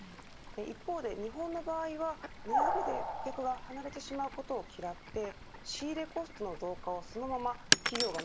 一方で日本の場合は値上げで顧客が離れてしまうことを嫌って仕入れコストの増加をそのまま企業が